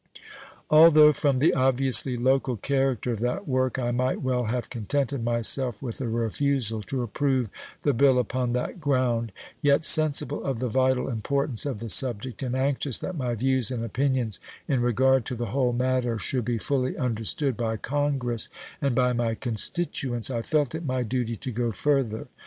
Although from the obviously local character of that work I might well have contented myself with a refusal to approve the bill upon that ground, yet sensible of the vital importance of the subject, and anxious that my views and opinions in regard to the whole matter should be fully understood by Congress and by my constituents, I felt it my duty to go further.